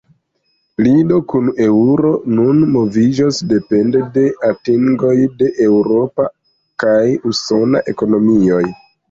Lido kun eŭro nun moviĝos depende de atingoj de eŭropa kaj usona ekonomioj.